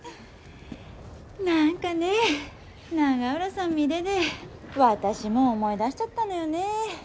何かね永浦さん見でで私も思い出しちゃったのよね。